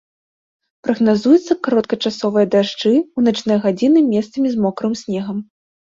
Прагназуюцца кароткачасовыя дажджы, у начныя гадзіны месцамі з мокрым снегам.